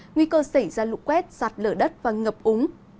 nguy cơ xảy ra lũ quét sạt lở đất và ngập úng